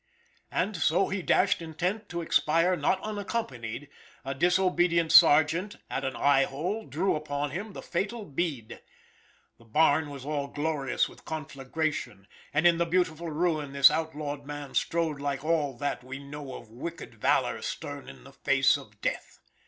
As so he dashed, intent to expire not unaccompanied, a disobedient sergeant at an eye hole drew upon him the fatal bead. The barn was all glorious with conflagration and in the beautiful ruin this outlawed man strode like all that, we know of wicked valor, stern in the face of death.